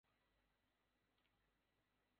কোনো খাবার দে, এই ছেলে।